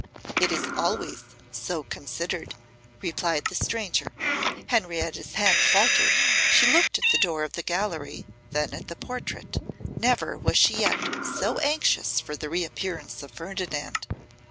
'It is always so considered,' replied the stranger. Henrietta's hand faltered; she looked at the door of the gallery, then at the portrait; never was she yet so anxious for the reappearance of Ferdinand.